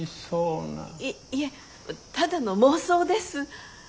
いっいえただの妄想です。